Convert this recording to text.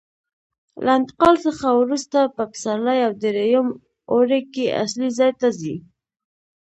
له انتقال څخه وروسته په پسرلي او درېیم اوړي کې اصلي ځای ته ځي.